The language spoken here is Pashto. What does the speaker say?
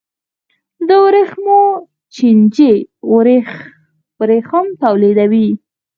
د ورېښمو چینجی ورېښم تولیدوي